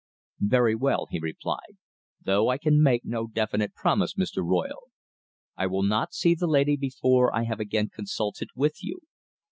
"Very well," he replied, "though I can make no definite promise, Mr. Royle. I will not see the lady before I have again consulted with you.